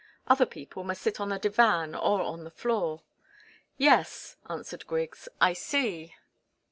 Other people must sit on the divan or on the floor." "Yes," answered Griggs. "I see."